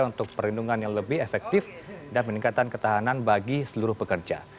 untuk perlindungan yang lebih efektif dan meningkatkan ketahanan bagi seluruh pekerja